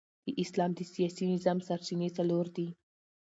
د اسلام د سیاسي نظام سرچینې څلور دي.